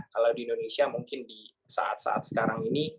kalau di indonesia mungkin di saat saat sekarang ini